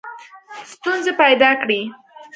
ستونزي پیدا کړې.